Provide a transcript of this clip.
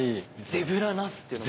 ゼブラナスっていうのも。